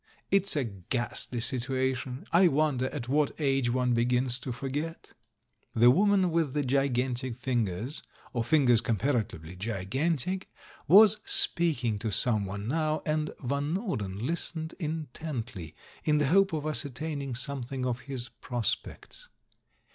It's a ghastly situa tion — I wonder at what age one begins to for get?" The woman with the gigantic fingers — or fin gers comparatively gigantic — was speaking to someone now, and Van Norden listened intently, in the hope of ascertaining something of his pros pects.